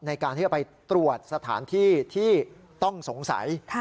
ในการที่จะไปตรวจสถานที่ที่ต้องสงสัย